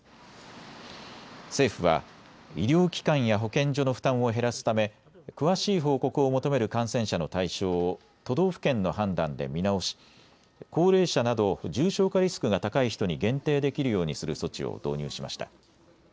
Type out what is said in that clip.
政府は医療機関や保健所の負担を減らすため詳しい報告を求める感染者の対象を都道府県の判断で見直し、高齢者など重症化リスクが高い人に限定できるようにする措置を導入しました。